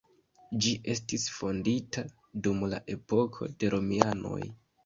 Ĝi estis fondita dum la epoko de romianoj.